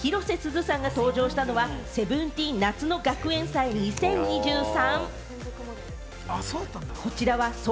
きのう広瀬すずさんが登場したのはＳｅｖｅｎｔｅｅｎ夏の学園祭２０２３。